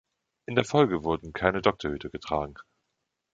In der Folge wurden keine Doktorhüte getragen.